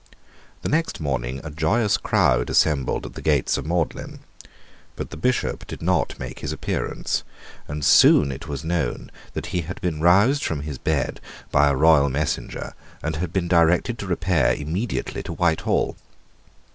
The next morning a joyous crowd assembled at the gates of Magdalene: but the Bishop did not make his appearance; and soon it was known that he had been roused from his bed by a royal messenger, and had been directed to repair immediately to Whitehall.